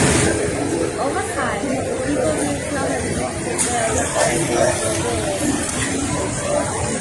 Over time, the people moved closer towards the fields, abandoning the original village.